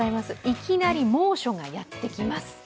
いきなり猛暑がやってきます。